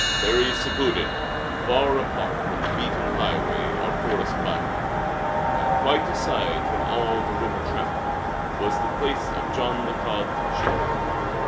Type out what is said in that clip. Very secluded, far apart from beaten highway or forest byway, and quite aside from all the river traffic, was the place of Jean Michaud's shipbuilding.